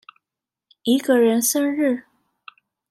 一個人生日